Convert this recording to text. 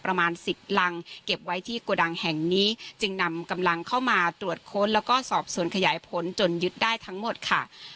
ประมาณสิบรังเก็บไว้ที่โกดังแห่งนี้จึงนำกำลังเข้ามาตรวจค้นแล้วก็สอบสวนขยายผลจนยึดได้ทั้งหมดค่ะ